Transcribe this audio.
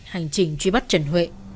hành trình truy bắt trần huệ